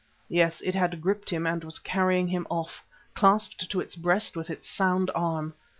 Yes, it had gripped him and was carrying him off, clasped to its breast with its sound arm.